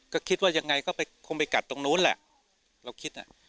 ก็คิดว่ายังไงก็ไปคงไปกัดตรงนู้นแหละเราคิดอ่ะ